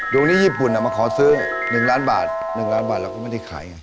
ตรงนี้ญี่ปุ่นมาขอซื้อ๑ล้านบาท๑ล้านบาทเราก็ไม่ได้ขายไง